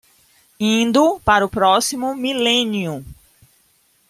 Indo para o próximo milênio